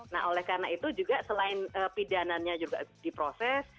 nah oleh karena itu juga selain pidananya juga diproses